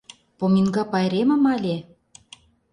Поминка пайремым але?..